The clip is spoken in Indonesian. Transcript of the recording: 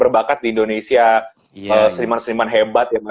berbakat di indonesia seniman seniman hebat ya